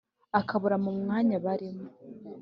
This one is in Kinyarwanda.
abakura mu mwanya barimo.